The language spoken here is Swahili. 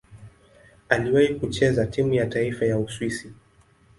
Aliwahi kucheza timu ya taifa ya Uswisi.